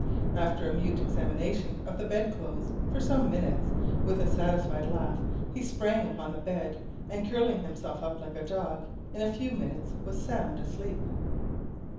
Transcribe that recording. After a mute examination of the bed clothes for some minutes, with a satisfied laugh, he sprang upon the bed, and, curling himself up like a dog, in a few minutes was sound asleep.